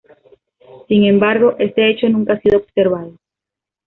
Sin embargo, este hecho nunca ha sido observado.